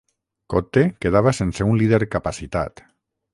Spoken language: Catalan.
Kotte quedava sense un líder capacitat.